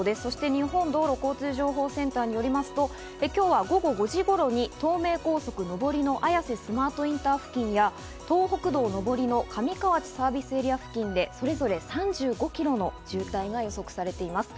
日本道路交通情報センターによりますと今日は午後５時頃に東名高速の上り、綾瀬スマートインター付近や、東北道上りの上河内サービスエリア付近でそれぞれ３５キロの渋滞が予想されています。